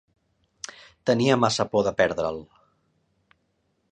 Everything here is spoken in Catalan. Tenia massa por de perdre'l.